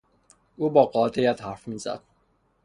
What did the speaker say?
او با قاطعیت حرف میزد.